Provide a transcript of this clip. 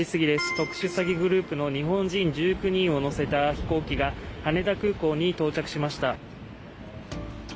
特殊詐欺グループの日本人１９人を乗せた飛行機が羽田空港に到着しました。